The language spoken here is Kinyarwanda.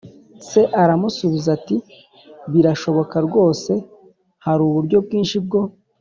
Se aramusubiza ati Birashoboka rwose Hari uburyo bwinshi bwo